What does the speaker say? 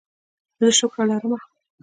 زه شکره لرم.